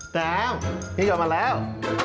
แซมพี่กลับมาแล้ว